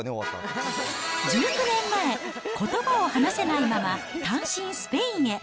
１９年前、ことばを話せないまま、単身スペインへ。